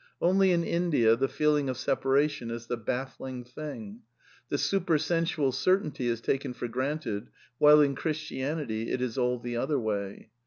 Only in India the feeling of separation is the baffling thing. The supersensual cer ^/>\ tainty is taken for granted, while in Christianity it is all \ the other way.